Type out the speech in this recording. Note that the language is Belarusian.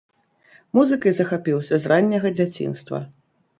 Музыкай захапіўся з ранняга дзяцінства.